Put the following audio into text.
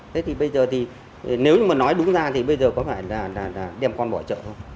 thế thì bây giờ thì nếu mà nói đúng ra thì bây giờ có phải là đem con bỏ chợ không